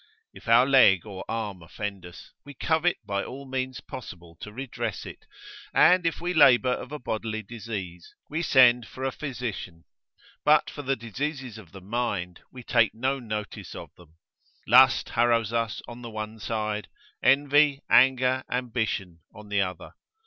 If our leg or arm offend us, we covet by all means possible to redress it; and if we labour of a bodily disease, we send for a physician; but for the diseases of the mind we take no notice of them: Lust harrows us on the one side; envy, anger, ambition on the other.